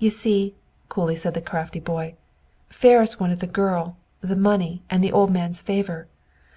You see," coolly said the crafty boy, "Ferris wanted the girl, the money, and the old man's favor.